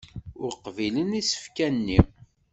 Ur qbilen isefka-nni.